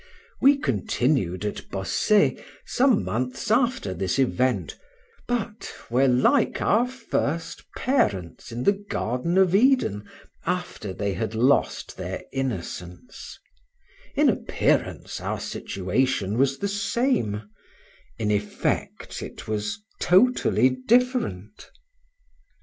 We continue at Bossey some months after this event, but were like our first parents in the Garden of Eden after they had lost their innocence; in appearance our situation was the same, in effect it was totally different.